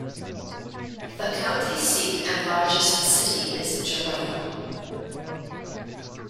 The county seat and largest city is Jerome.